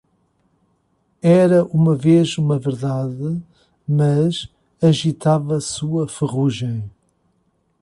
Era uma vez uma verdade, mas agitava sua ferrugem.